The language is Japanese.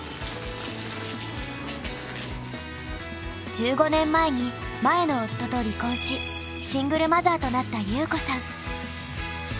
１５年前に前の夫と離婚しシングルマザーとなったゆうこさん。